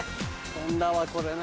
飛んだわこれな。